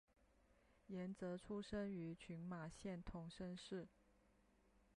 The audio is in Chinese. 岩泽出生于群马县桐生市。